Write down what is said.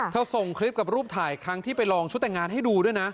ส่งคลิปกับรูปถ่ายครั้งที่ไปลองชุดแต่งงานให้ดูด้วยนะ